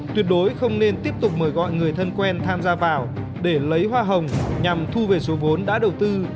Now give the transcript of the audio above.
tuyệt đối không nên tiếp tục mời gọi người thân quen tham gia vào để lấy hoa hồng nhằm thu về số vốn đã đầu tư